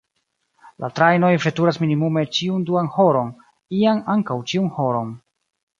La trajnoj veturas minimume ĉiun duan horon, iam ankaŭ ĉiun horon.